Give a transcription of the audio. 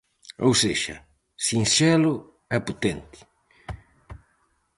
Ou sexa, sinxelo e potente.